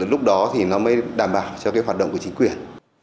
lúc đó thì nó mới đảm bảo cho cái hoạt động của chính quyền